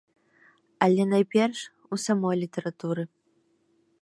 Але найперш у самой літаратуры.